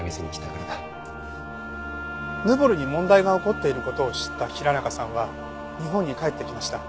ヌボルに問題が起こっている事を知った平中さんは日本に帰ってきました。